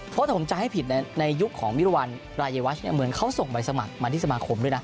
เพราะถ้าผมจะให้ผิดในยุคของมิรวรรณรายวัชเหมือนเขาส่งใบสมัครมาที่สมาคมด้วยนะ